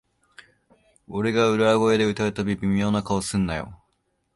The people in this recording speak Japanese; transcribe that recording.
俺が裏声で歌うたび、微妙な顔すんなよ